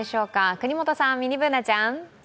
國本さん、ミニＢｏｏｎａちゃん。